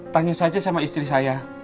tanya saja sama istri saya